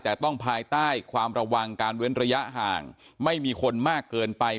แต่ต้องภายใต้ความระวังการเว้นระยะห่างไม่มีคนมากเกินไป